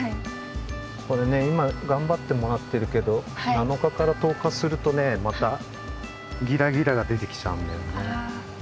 これね今がんばってもらってるけど７日から１０日するとねまたギラギラが出てきちゃうんだよね。